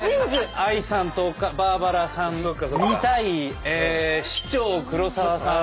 ＡＩさんとバーバラさんの２対市長黒沢さん